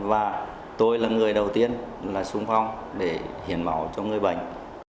và tôi là người đầu tiên là sung phong để hiển máu cho người bệnh